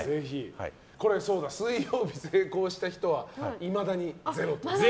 水曜日成功した人はいまだにゼロ。